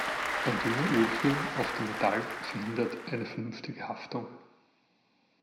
Ein dünner Ölfilm auf dem Metall verhindert eine vernünftige Haftung.